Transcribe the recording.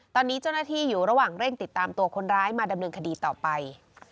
ตอนนี้เจ้าหน้าที่อยู่ระหว่างเร่งติดตามตัวคนร้ายมาดำเนินคดีต่อไป